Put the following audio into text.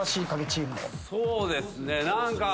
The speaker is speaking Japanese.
そうですね何か。